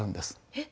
えっ。